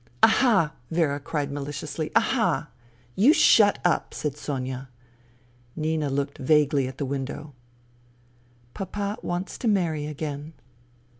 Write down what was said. " Aha !" Vera cried maliciously. " Aha !"" You shut up !" said Sonia. Nina looked vaguely at the window. " Papa wants to marry again."